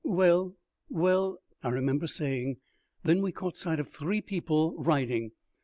"Well, well," I remember saying. Then we caught sight of three people riding.